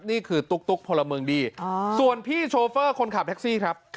ตุ๊กพลเมืองดีส่วนพี่โชเฟอร์คนขับแท็กซี่ครับ